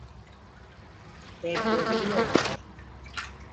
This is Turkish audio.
Belki o biliyordur.